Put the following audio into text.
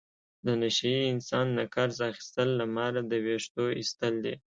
د نشه یي انسان نه قرض اخستل له ماره د وېښتو ایستل دي.